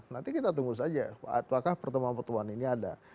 nanti kita tunggu saja apakah pertemuan pertemuan ini ada